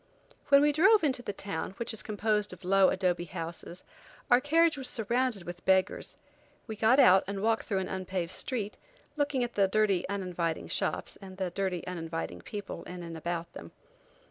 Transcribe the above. When we drove into the town, which is composed of low adobe houses, our carriage was surrounded with beggars. We got out and walked through an unpaved street, looking at the dirty, uninviting shops and the dirty, uninviting people in and about them.